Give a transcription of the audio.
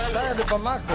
saya di pemakai